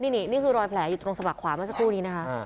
นี่นี่นี่คือรอยแผลอยู่ตรงสมัครขวามันสักครู่นี้นะคะอ่า